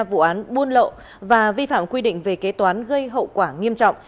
đang điều tra vụ án buôn lậu và vi phạm quy định về kế toán gây hậu quả nghiêm trọng